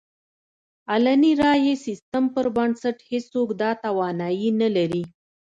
علني رایې سیستم پر بنسټ هېڅوک دا توانایي نه لري.